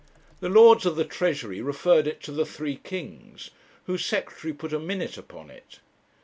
The Lords of the Treasury referred it to the three kings, whose secretary put a minute upon it.